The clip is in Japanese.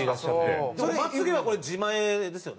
まつ毛はこれ自前ですよね？